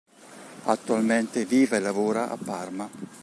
Attualmente vive e lavora a Parma.